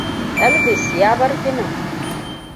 Elvis ya bar ginin.